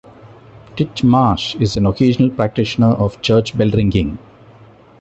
Titchmarsh is an occasional practitioner of church bellringing.